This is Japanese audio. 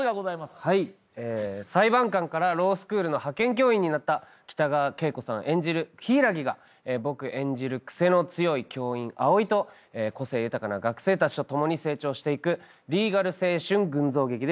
裁判官からロースクールの派遣教員になった北川景子さん演じる柊が僕演じる癖の強い教員藍井と個性豊かな学生たちと共に成長していくリーガル青春群像劇です。